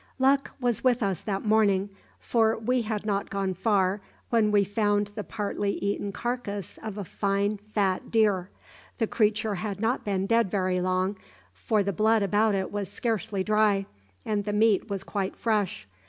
Luck was with us that morning, for we had not gone far when we found the partly eaten carcass of a fine fat deer. The creature had not been dead very long, for the blood about it was scarcely dry, and the meat was quite fresh.